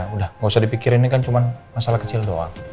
udah gak usah dipikirin ini kan cuma masalah kecil doang